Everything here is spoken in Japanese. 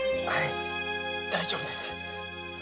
大丈夫です。